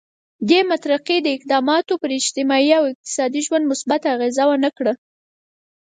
دې مترقي اقداماتو پر اجتماعي او اقتصادي ژوند مثبته اغېزه ونه کړه.